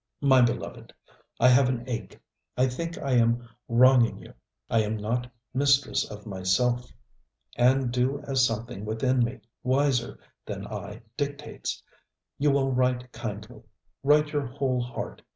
My beloved! I have an ache I think I am wronging you. I am not mistress of myself, and do as something within me, wiser, than I, dictates. You will write kindly. Write your whole heart.